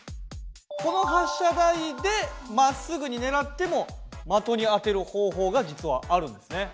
この発射台でまっすぐにねらっても的に当てる方法が実はあるんですね。